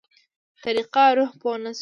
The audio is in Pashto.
طريقه روح پوه نه شو.